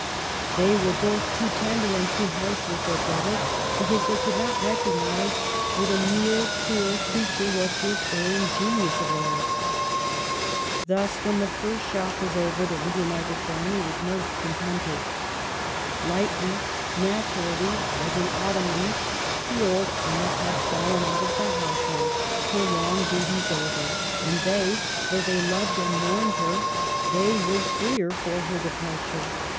They were both too tender and too harsh with their brother, because they could not recognize what a mere, poor creature was this erring genius of theirs. Thus, when the first shock was over, the re united family was most contented. Lightly, naturally, as an autumn leaf, the old aunt had fallen out of the household, her long duties over ; and they — though they loved and mourned her — they were freer for her departure.